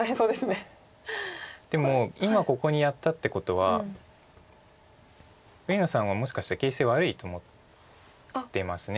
でも今ここにやったってことは上野さんはもしかして形勢悪いと思ってます。